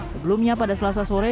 sebelumnya pada selasa sore